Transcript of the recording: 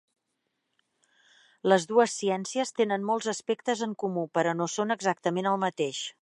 Les dues ciències tenen molts aspectes en comú, però no són exactament el mateix.